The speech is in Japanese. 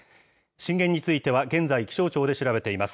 震源については現在、気象庁で調べています。